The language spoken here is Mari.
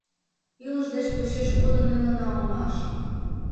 — Илыш деч почеш кодын илена улмаш.